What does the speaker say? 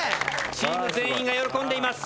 チーム全員が喜んでいます。